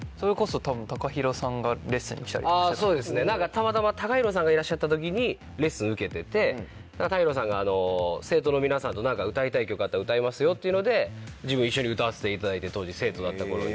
たまたまＴＡＫＡＨＩＲＯさんがいらっしゃった時にレッスン受けててＴＡＫＡＨＩＲＯさんが「生徒の皆さんと歌いたい曲あったら歌いますよ」っていうので自分一緒に歌わせていただいて当時生徒だった頃に。